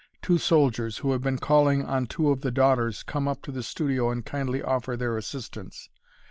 Two soldiers, who have been calling on two of the daughters, come up to the studio and kindly offer their assistance.